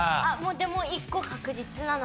でも１個確実なのが。